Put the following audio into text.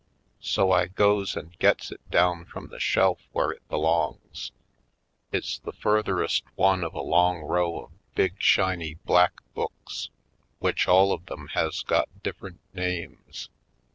So I goes and gets it down from the shelf where it belongs. It's the furtherest one of a long row of big shiny black books, which all of them has got different names.